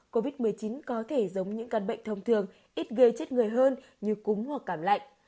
covid một mươi chín có thể giống những căn bệnh thông thường ít gây chết người hơn như cúng hoặc cảm lạnh